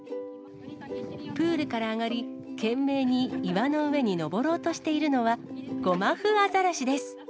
プールから上がり、懸命に岩の上に上ろうとしているのは、ゴマフアザラシです。